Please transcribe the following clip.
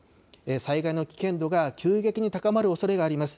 災害の危険度が急激に高まるおそれがあります。